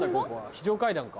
非常階段か。